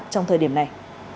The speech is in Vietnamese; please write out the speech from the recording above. trong thời điểm này